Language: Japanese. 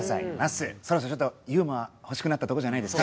そろそろちょっとユーモア欲しくなったとこじゃないですか？